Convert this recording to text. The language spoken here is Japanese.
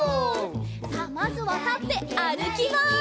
さあまずはたってあるきます！